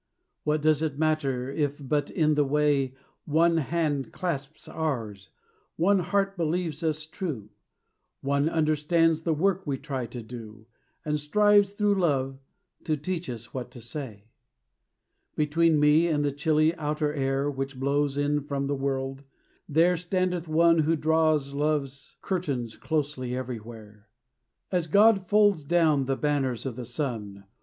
What does it matter, if but in the way One hand clasps ours, one heart believes us true; One understands the work we try to do, And strives through Love to teach us what to say? Between me and the chilly outer air Which blows in from the world, there standeth one Who draws Love's curtains closely everywhere, As God folds down the banners of the sun.